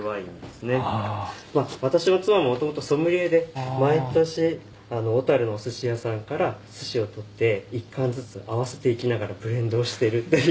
まあ私も妻ももともとソムリエで毎年小樽のおすし屋さんからすしを取って１貫ずつ合わせていきながらブレンドをしてるという。